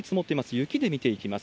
雪で見ていきます。